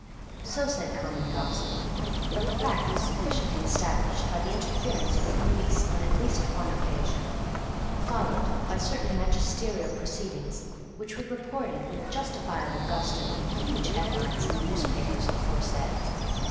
So said common gossip; but the fact was sufficiently established by the interference of the police on at least one occasion, followed by certain magisterial proceedings which were reported with justifiable gusto and huge headlines in the newspapers aforesaid.